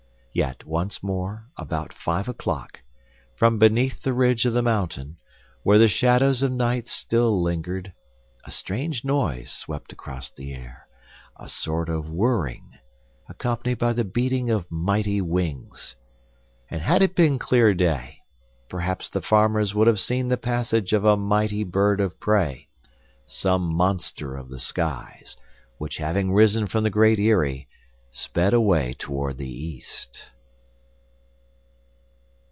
Yet once more about five o'clock, from beneath the ridge of the mountain, where the shadows of night still lingered, a strange noise swept across the air, a sort of whirring, accompanied by the beating of mighty wings. And had it been a clear day, perhaps the farmers would have seen the passage of a mighty bird of prey, some monster of the skies, which having risen from the Great Eyrie sped away toward the east.